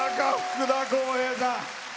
福田こうへいさん。